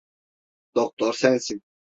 Doktor sensin.